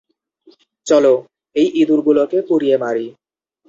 চলো, এই ইঁদুরগুলোকে পুড়িয়ে মারি।